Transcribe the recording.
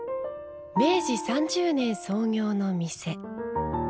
明治３０年創業の店。